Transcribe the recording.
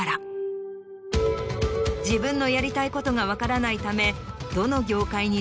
自分のやりたいことが分からないため。